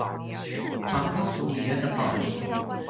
唐高祖李渊的宝林。